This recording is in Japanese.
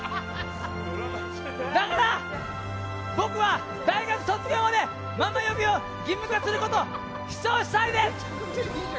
だから、僕は大学卒業までママ呼びを義務化することを主張したいです！